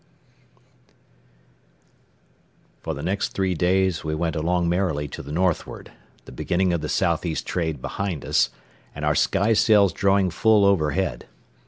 XX For the next three days we went along merrily to the northward, the beginning of the southeast trade behind us, and our skysails drawing full overhead.